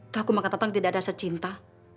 tuh aku makan tantang tidak ada rasa cinta